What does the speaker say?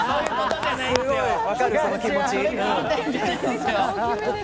分かる、その気持ち。